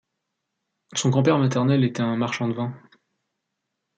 Son grand-père maternel était un marchand de vin.